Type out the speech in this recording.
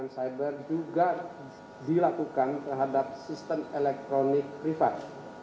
cyber juga dilakukan terhadap sistem elektronik privat